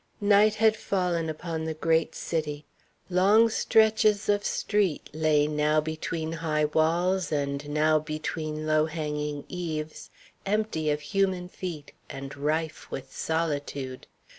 Night had fallen upon the great city. Long stretches of street lay now between high walls, and now between low hanging eaves, empty of human feet and rife with solitude.